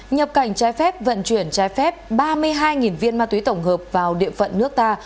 nhập cảnh trái phép vận chuyển trái phép ba mươi hai viên ma túy tổng hợp vào địa phận nước ta